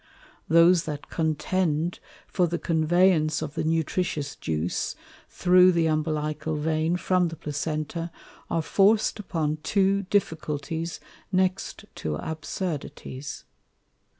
Those that contend for the conveyance of the Nutricious Juice, through the Umbilical Vein from the Placenta, are forc'd upon two Difficulties next to Absurdities.